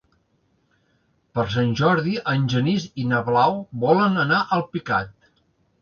Per Sant Jordi en Genís i na Blau volen anar a Alpicat.